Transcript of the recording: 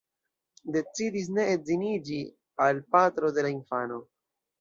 Decidis ne edziniĝi al patro de la infano.